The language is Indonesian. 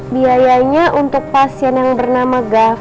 biayanya untuk pasien yang bernama gava